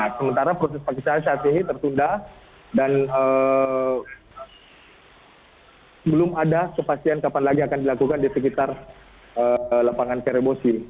sementara proses vaksinasi saat ini tertunda dan belum ada kepastian kapan lagi akan dilakukan di sekitar lapangan karebosi